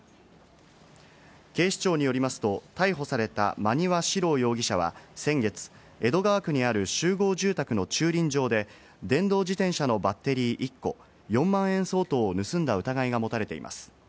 警視庁によりますと、逮捕された馬庭史郎容疑者は先月、江戸川区にある集合住宅の駐輪場で、電動自転車のバッテリー１個４万円相当を盗んだ疑いが持たれています。